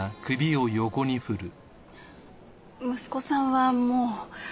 息子さんはもう。